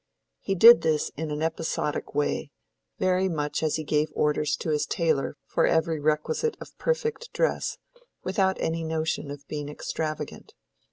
He did this in an episodic way, very much as he gave orders to his tailor for every requisite of perfect dress, without any notion of being extravagant.